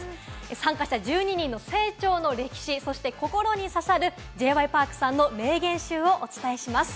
参加者１２人の成長の歴史、そして心に刺さるＪ．Ｙ．Ｐａｒｋさんの名言集をお伝えします。